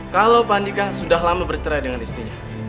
kalau pak andika sudah lama bercerai dengan istrinya